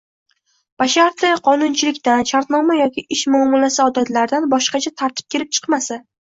basharti qonunchilikdan, shartnoma yoki ish muomalasi odatlaridan boshqacha tartib kelib chiqmasa.